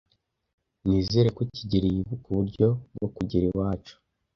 Nizere ko kigeli yibuka uburyo bwo kugera iwacu.